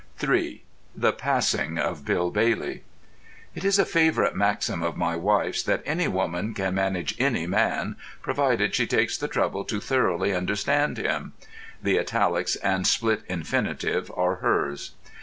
III THE PASSING OF "BILL BAILEY" It is a favourite maxim of my wife's that any woman can manage any man, provided she takes the trouble to thoroughly understand him. (The italics and split infinitive are hers.)